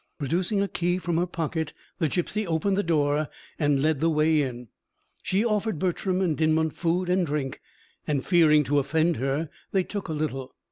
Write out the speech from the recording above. Producing a key from her pocket, the gipsy opened the door and led the way in. She offered Bertram and Dinmont food and drink, and fearing to offend her, they took a little.